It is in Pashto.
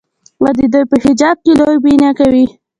آیا دوی په حجاب کې لوبې نه کوي؟